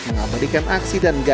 mengabadikan aksi dan gagal